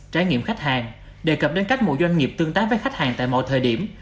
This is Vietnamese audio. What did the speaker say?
trải nghiệm khách hàng đề cập đến cách một doanh nghiệp tương tác với khách hàng tại mọi thời điểm